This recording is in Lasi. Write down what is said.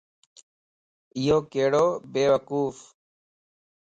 ايو ڪيڙو بيوقوفَ